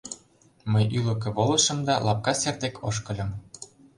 Мый ӱлыкӧ волышым да лапка сер дек ошкыльым.